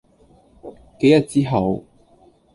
幾日之後